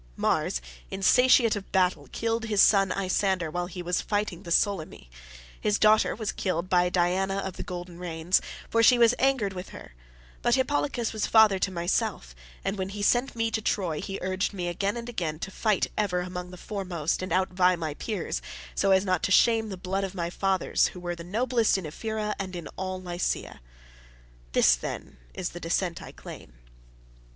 Mars, insatiate of battle, killed his son Isander while he was fighting the Solymi; his daughter was killed by Diana of the golden reins, for she was angered with her; but Hippolochus was father to myself, and when he sent me to Troy he urged me again and again to fight ever among the foremost and outvie my peers, so as not to shame the blood of my fathers who were the noblest in Ephyra and in all Lycia. This, then, is the descent I claim."